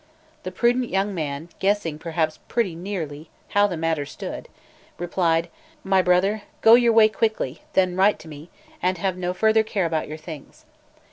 The prudent young man, guessing perhaps pretty nearly how the matter stood, replied: "My brother, go your was quickly; then write to me, and have no further care about your things."